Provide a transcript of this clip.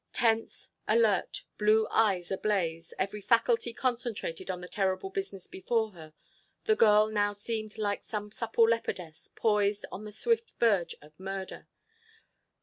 Tense, alert, blue eyes ablaze, every faculty concentrated on the terrible business before her, the girl now seemed like some supple leopardess poised on the swift verge of murder.